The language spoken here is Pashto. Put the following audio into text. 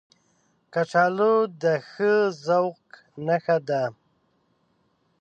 کچالو د ښه ذوق نښه ده